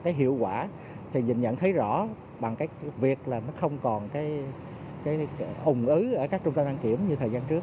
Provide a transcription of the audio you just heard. cái hiệu quả thì nhìn nhận thấy rõ bằng cái việc là nó không còn cái ủng ứ ở các trung tâm đăng kiểm như thời gian trước